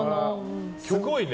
すごいね。